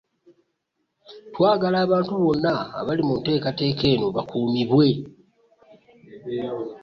Twagala abantu bonna abali mu nteekateeka eno bakuumibwe